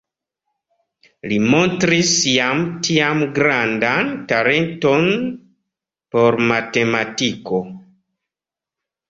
Li montris jam tiam grandan talenton por matematiko.